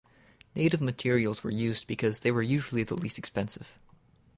Native materials were used because they were usually the least expensive.